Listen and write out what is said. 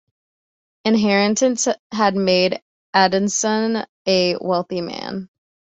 Inheritances had made Adamson a wealthy man.